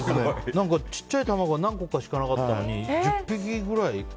ちっちゃい卵が何個かしかなかったのに１０匹くらい。